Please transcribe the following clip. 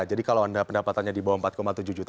jadi kalau anda pendapatannya di bawah empat tujuh juta